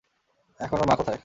এখন ওর মা কোথায়?